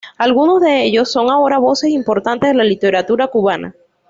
Algunos de ellos son ahora voces importantes de la literatura cubana.